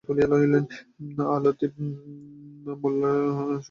আঃ লতিফ মোল্লা শিবচর পৌরসভার প্রথম চেয়ারম্যান নির্বাচিত হন।